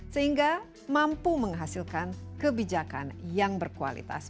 sehingga mampu menghasilkan kebijakan yang berkualitas